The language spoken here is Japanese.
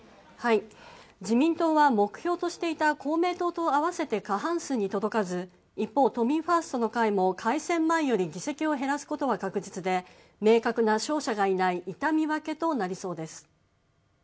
自民党は目標としていた公明党と合わせて過半数に届かず一方、都民ファーストの会も改選前より議席を減らすことは確実で明確な勝者がいない痛み分けとなりそうです。